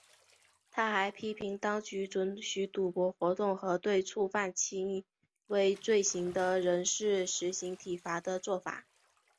他还批评当局准许赌博活动和对触犯轻微罪行的人士施行体罚的作法。